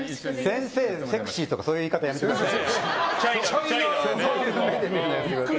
先生セクシーとかそういう言い方やめてください。